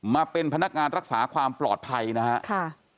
มาเป็นพนักงานรักษาความปลอดภัยนะครับ